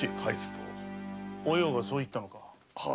お葉がそう言ったのか？